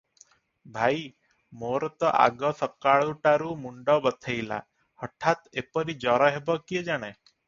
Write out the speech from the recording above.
"ଭାଇ! ମୋର ତ ଆଗ ସକାଳୁଟାରୁ ମୁଣ୍ଡ ବଥେଇଲା; ହଠାତ୍ ଏପରି ଜର ହେବ କିଏ ଜାଣେ?